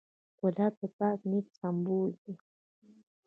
ګلاب د پاک نیت سمبول دی.